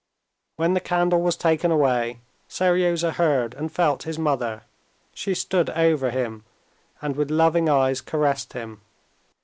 When the candle was taken away, Seryozha heard and felt his mother. She stood over him, and with loving eyes caressed him.